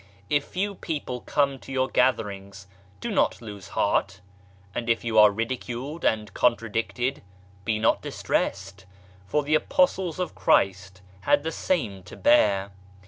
If few people come to your gatherings do not lose heart, and if you are ridiculed and contradicted be not distressed, for the Apostles of Christ had the same to bear.